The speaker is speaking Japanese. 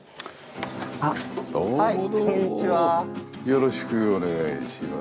よろしくお願いします。